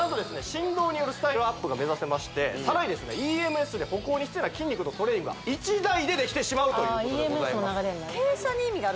振動によるスタイルアップが目指せましてさらにですねＥＭＳで歩行に必要な筋肉のトレーニングが１台でできてしまうということでございますＥＭＳも流れるんだね